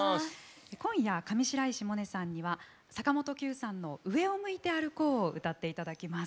今夜上白石萌音さんには坂本九さんの「上を向いて歩こう」を歌っていただきます。